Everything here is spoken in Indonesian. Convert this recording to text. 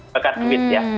bukan duit ya